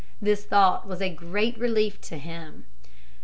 This thought was a great relief to him.